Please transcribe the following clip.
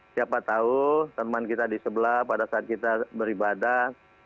siapa tahu teman kita di sebelah pada saat kita beribadah